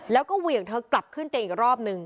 แล้วก็เหวี่ยงเธอกลับขึ้นเตียงอีกรอบนึง